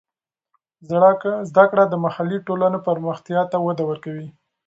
زده کړه د محلي ټولنو پرمختیا ته وده ورکوي.